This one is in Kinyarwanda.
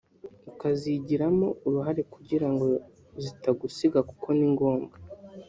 ukazigiramo uruhare kugira ngo zitagusiga kuko ni ngombwa